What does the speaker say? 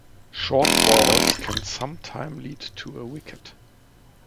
Short balls can sometime lead to a wicket.